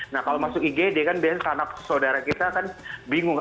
nah kalau masuk igd kan biasanya anak saudara kita kan bingung